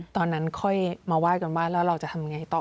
ตอนนั้นค่อยมาไหว้กันว่าแล้วเราจะทำไงต่อ